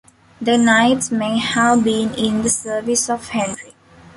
The knights may have been in the service of Henry.